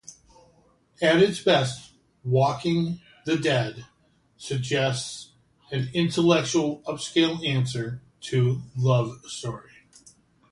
At its best, "Waking the Dead" suggests an intellectually upscale answer to "Love Story".